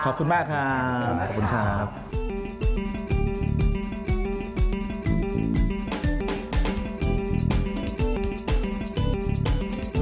ขอบคุณมากครับขอบคุณครับครับครับครับ